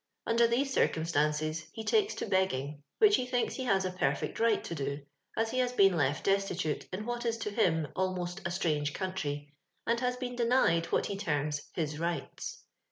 Under these droumstances he takes to beg ging, whidi he thinks he has a perfect right to do, as ho has been left destitute in what is to him almost a stranp^o country, aiul has been denied what he terms his rights."